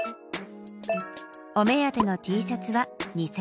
お目当てのＴシャツは２０００円。